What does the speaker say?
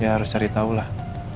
ya harus cari tahulah